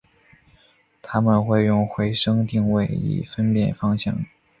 它们会用回声定位以分辨方向。